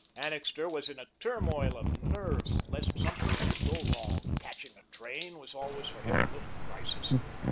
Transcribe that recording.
Annixter was in a turmoil of nerves lest something should go wrong; catching a train was always for him a little crisis.